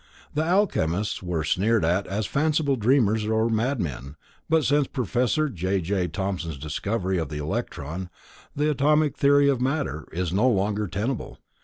The Alchemists were sneered at as fanciful dreamers or madmen, but since Professor J. J. Thomson's discovery of the electron, the atomic theory of matter, is no longer tenable.